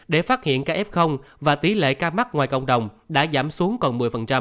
để phát hiện ca f và tỷ lệ ca mắc ngoài cộng đồng đã giảm xuống còn một mươi